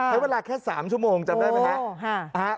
ใช้เวลาแค่๓ชั่วโมงจำได้ไหมครับ